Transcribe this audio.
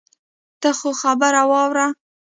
ته خو خبره واوره.